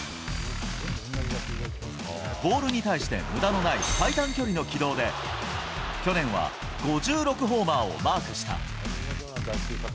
ボールに対してむだのない最短距離の軌道で、去年は５６ホーマーをマークした。